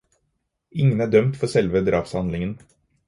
Ingen er dømt for selve drapshandlingen.